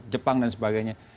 jepang dan sebagainya